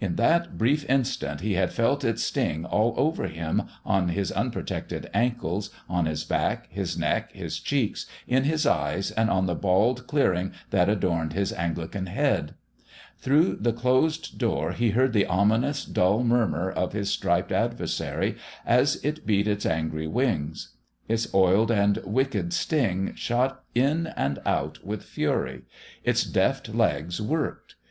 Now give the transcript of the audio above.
In that brief instant he had felt its sting all over him, on his unprotected ankles, on his back, his neck, his cheeks, in his eyes, and on the bald clearing that adorned his Anglican head. Through the closed door he heard the ominous, dull murmur of his striped adversary as it beat its angry wings. Its oiled and wicked sting shot in and out with fury. Its deft legs worked.